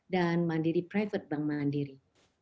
mandiri private bank mandiri